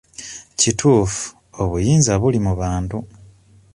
Kituufu, obuyinza buli mu bantu.